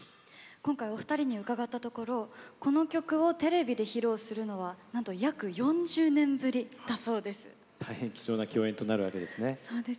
今回お二人に伺ったところこの曲をテレビで披露するのはなんと、約４０年ぶりだそうです。